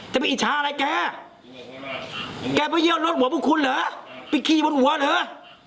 ไปอิจฉาอะไรแกแกไปเยี่ยวรถหัวพวกคุณเหรอไปขี่บนหัวเหรอ